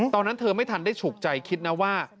ตอนนั้นเธอไม่ทันได้ฉุกใจคิดนะว่า